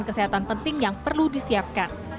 ada beberapa peralatan penting yang perlu disiapkan